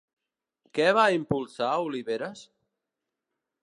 Què va impulsar Oliveres?